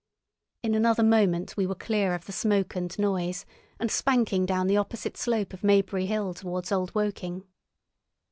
In another moment we were clear of the smoke and noise, and spanking down the opposite slope of Maybury Hill towards Old Woking.